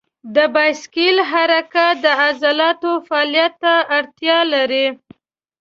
د بایسکل حرکت د عضلاتو فعالیت ته اړتیا لري.